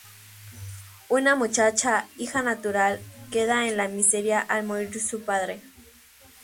Una muchacha, hija natural, queda en la miseria al morir su padre.